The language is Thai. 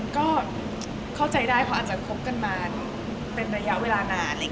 ก็เข้าใจได้เพราะอาจจะคบกันมาเป็นระยะเวลานาน